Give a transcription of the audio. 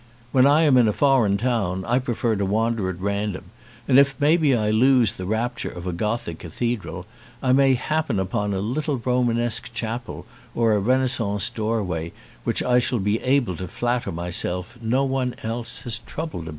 When I am in a foreign town I prefer to wander at random and if maybe I lose the rapture of a Gothic cathedral I may happen upon a little Romanesque chapel or a Renaissance doorway which I shall be able to flatter myself no one else has troubled about.